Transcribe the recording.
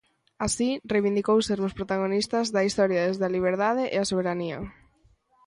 Así, reivindicou sermos protagonistas da historia desde a liberdade e a soberanía.